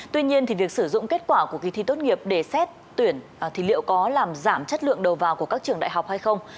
tuy nhiên thì việc sử dụng kết quả của kỳ thi tốt nghiệp để xét tuyển thì liệu có làm giảm chất lượng đầu vào của các trường đại học hay không